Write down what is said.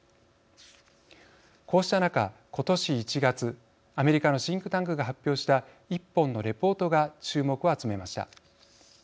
こうした中、今年１月アメリカのシンクタンクが発表した１本のレポートが注目を集めました。